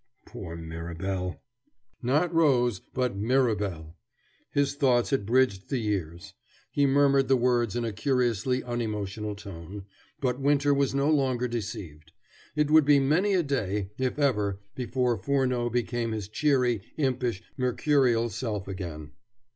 Poor Mirabel!" Not Rose, but Mirabel! His thoughts had bridged the years. He murmured the words in a curiously unemotional tone, but Winter was no longer deceived. It would be many a day, if ever, before Furneaux became his cheery, impish, mercurial self again.